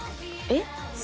えっ？